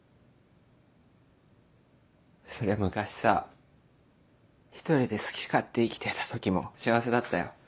そりゃ昔さ１人で好き勝手生きてた時も幸せだったよ。